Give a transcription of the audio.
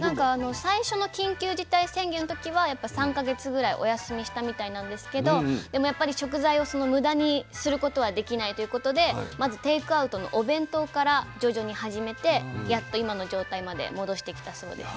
最初の緊急事態宣言の時は３か月ぐらいお休みしたみたいなんですけどでもやっぱり食材を無駄にすることはできないということでまずテイクアウトのお弁当から徐々に始めてやっと今の状態まで戻してきたそうです。